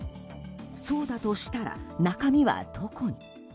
そうだとしたら中身はどこに。